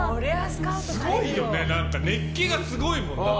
すごいよね、熱気がすごいもん。